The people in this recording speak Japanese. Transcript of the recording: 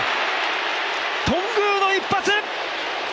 頓宮の一発！